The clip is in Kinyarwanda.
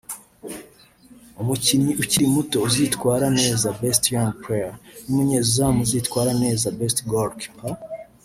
Umukinnyi ukiri muto uzitwara neza (Best Young Player) n’umunyezamu uzitwara neza (Best Goal-Keeper)